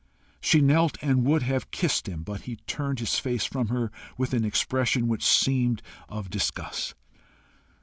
She knelt and would have kissed him, but he turned his face from her with an expression which seemed of disgust.